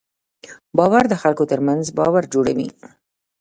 باور د خلکو تر منځ باور جوړوي.